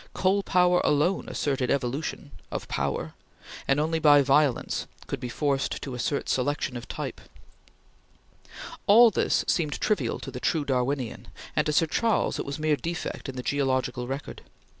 Coal power alone asserted evolution of power and only by violence could be forced to assert selection of type. All this seemed trivial to the true Darwinian, and to Sir Charles it was mere defect in the geological record.